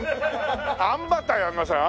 あんバターやんなさい